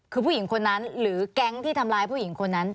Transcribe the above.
คือผู้หญิงคนนั้นหรือแก๊งที่ทำร้ายผู้หญิงคนนั้น